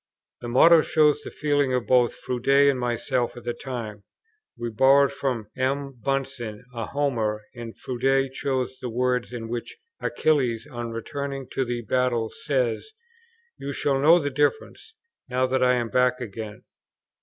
The motto shows the feeling of both Froude and myself at the time: we borrowed from M. Bunsen a Homer, and Froude chose the words in which Achilles, on returning to the battle, says, "You shall know the difference, now that I am back again."